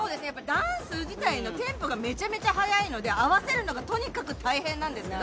ダンス自体のテンポがめちゃめちゃ速いので、合わせるのがとにかく大変なんですね。